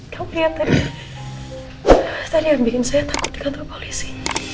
kamu lihat tadi tadi yang bikin saya takut di kantor polisi